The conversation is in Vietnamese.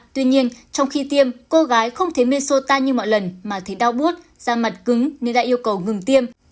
tuy nhiên trong khi tiêm cô gái không thấy meso ta như mọi lần mà thấy đau bút da mặt cứng nên đã yêu cầu ngừng tiêm